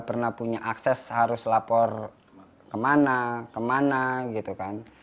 karena punya akses harus lapor kemana kemana gitu kan